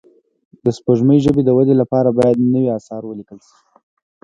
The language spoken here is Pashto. د پښتو ژبې د ودې لپاره باید نوي اثار ولیکل شي.